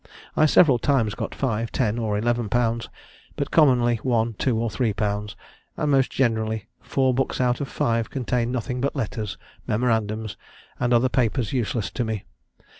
I several times got five, ten, or eleven pounds, but commonly one, two, or three pounds; and most generally four books out of five contained nothing but letters, memorandums, and other papers useless to me.